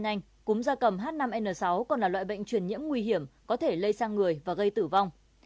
nhanh cúm da cầm h năm n sáu còn là loại bệnh truyền nhiễm nguy hiểm có thể lây sang người và gây tử vong